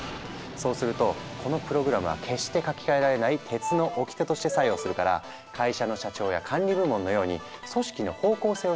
そうするとこのプログラムは決して書き換えられない「鉄の掟」として作用するから会社の社長や管理部門のように組織の方向性を示す役割を果たすんだ。